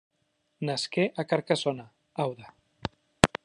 Nasqué a Carcassona, Aude.